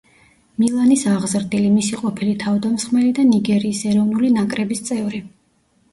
მილანის აღზრდილი, მისი ყოფილი თავდამსხმელი და ნიგერიის ეროვნული ნაკრების წევრი.